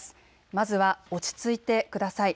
まずは落ち着いてください。